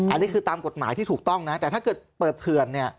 อันนี้คือตามกฎหมายที่ถูกต้องนะแต่ถ้าเกิดเปิดเถื่อนเนี่ย